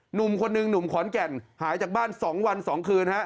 หนุ่มคนหนึ่งหนุ่มขอนแก่นหายจากบ้าน๒วัน๒คืนฮะ